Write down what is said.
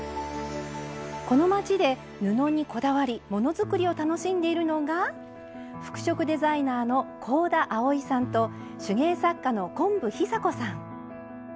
この街で布にこだわり物作りを楽しんでいるのが服飾デザイナーの香田あおいさんと手芸作家の昆布尚子さん。